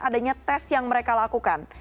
adanya tes yang mereka lakukan